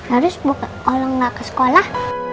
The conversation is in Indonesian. harus buat orang nggak ke sekolah